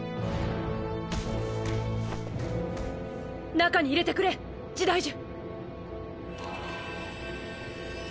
中に入れてくれ時代樹。